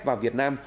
vào việt nam